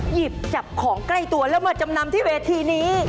หยิบจับของใกล้ตัวแล้วมาจำนำที่เวทีนี้